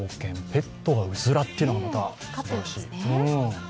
ペットがうずらというのが、また珍しい。